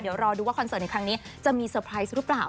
มารอดูว่าคอนเสิร์ตในครั้งนี้จะมีสเตอร์ไพรส์รึเปล่า